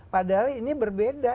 padahal ini berbeda